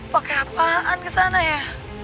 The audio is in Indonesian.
pake apaan kesana ya